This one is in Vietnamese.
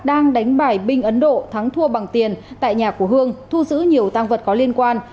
đang đánh bài binh ấn độ thắng thua bằng tiền tại nhà của hương thu giữ nhiều tăng vật có liên quan